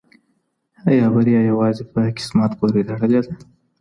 ایا بریا یوازې په قسمت پورې تړلې ده؟